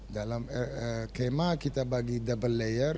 dalam kema kita bagi double layer